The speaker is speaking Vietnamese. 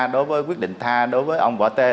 đối với ông võ t